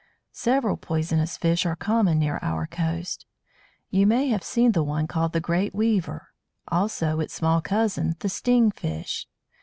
Several poisonous fish are common near our coast. You may have seen the one called the Great Weaver, also its small cousin, the Sting Fish.